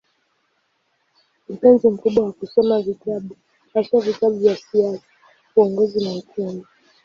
Mpenzi mkubwa wa kusoma vitabu, haswa vitabu vya siasa, uongozi na uchumi.